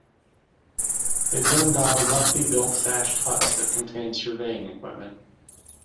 They burned down roughly-built thatched huts that contained surveying equipment.